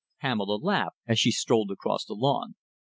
'" Pamela laughed as she strolled across the lawn.